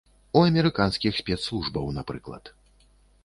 У амерыканскіх спецслужбаў, напрыклад.